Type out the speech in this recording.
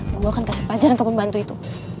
gua akan kasih pajaran ke pembantu itu